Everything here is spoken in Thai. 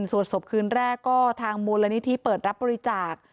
สวดศพคืนแรกก็ทางมูลนิธิเปิดรับบริจาค